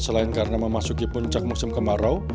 selain karena memasuki puncak musim kemarau